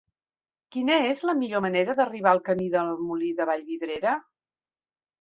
Quina és la millor manera d'arribar al camí del Molí de Vallvidrera?